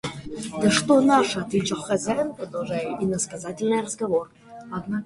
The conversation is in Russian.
– Да что наши! – отвечал хозяин, продолжая иносказательный разговор.